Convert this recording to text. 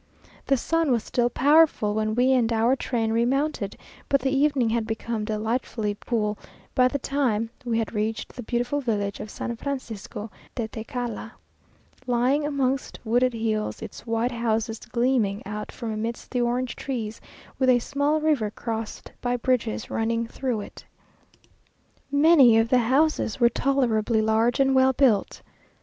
The sun was still powerful, when we and our train remounted, but the evening had become delightfully cool, by the time that we had reached the beautiful village of San Francisco de Tetecala, lying amongst wooded hills, its white houses gleaming out from amidst the orange trees, with a small river crossed by bridges running through it. Many of the houses were tolerably large and well built.